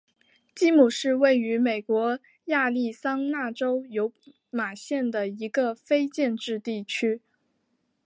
基姆是位于美国亚利桑那州尤马县的一个非建制地区。